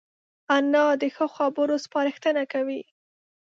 انا د ښو خبرو سپارښتنه کوي